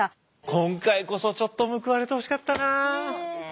今回こそちょっと報われてほしかったな。